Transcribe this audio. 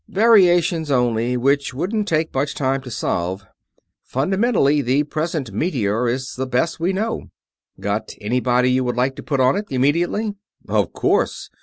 "Variations only, which wouldn't take much time to solve. Fundamentally, the present meteor is the best we know." "Got anybody you would like to put on it, immediately?" "Of course.